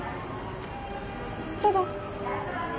どうぞ。